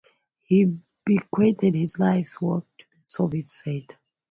He bequeathed his life's work to the Soviet state.